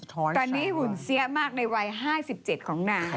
ตอนนี้หุ่นเสี้ยมากในวัย๕๗ของนาง